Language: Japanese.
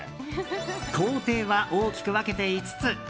工程は大きく分けて５つ。